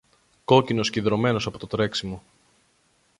κόκκινος και ιδρωμένος από το τρέξιμο.